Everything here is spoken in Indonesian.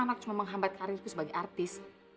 anak cuma menghambat karirku sebagai artis